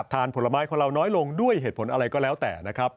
ผลไม้ของเราน้อยลงด้วยเหตุผลอะไรก็แล้วแต่นะครับ